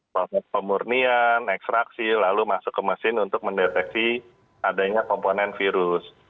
proses pemurnian ekstraksi lalu masuk ke mesin untuk mendeteksi adanya komponen virus